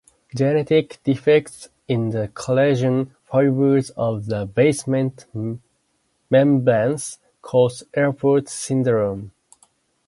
Genetic defects in the collagen fibers of the basement membrane cause Alport syndrome.